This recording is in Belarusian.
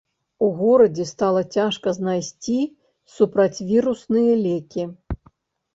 У горадзе стала цяжка знайсці супрацьвірусныя лекі.